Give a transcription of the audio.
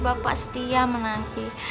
bapak setiam nanti